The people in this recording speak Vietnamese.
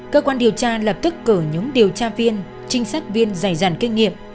cơ quan điều tra lập tức cử nhúng điều tra viên trinh sát viên dài dàn kinh nghiệm